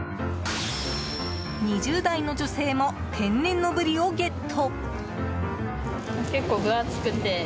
２０代の女性も天然のブリをゲット。